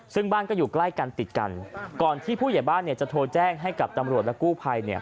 ซึ่งบ้านก็อยู่ใกล้กันติดกันก่อนที่ผู้ใหญ่บ้านเนี่ยจะโทรแจ้งให้กับตำรวจและกู้ภัยเนี่ย